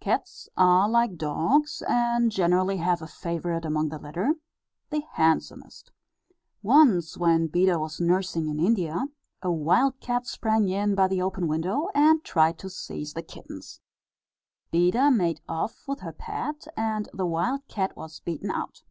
Cats are like dogs, and generally have a favourite among the litter, the handsomest. Once when Beda was nursing in India, a wild cat sprang in by the open window, and tried to seize the kittens. Beda made off with her pet, and the wild cat was beaten out.